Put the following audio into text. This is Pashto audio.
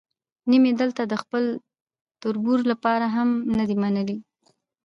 نیم یې دلته د خپل تربور لپاره هم نه دی منلی.